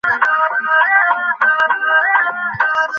একসনা বন্দোবস্ত নেওয়া জায়গায় পাকা স্থাপনা নির্মাণের অনুমতি আমরা দিই না।